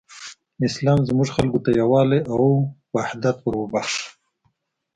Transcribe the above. اسلام زموږ خلکو ته یووالی او حدت وروباښه.